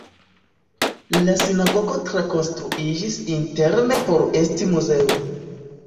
La sinagogo trakonstruiĝis interne por esti muzeo.